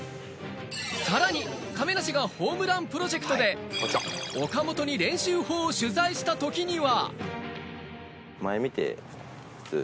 さらに亀梨がホームランプロジェクトで岡本に練習法を取材したときには。